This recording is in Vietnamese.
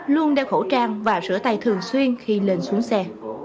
luôn đeo khẩu trang và rửa tay thường xuyên khi lên xuống xe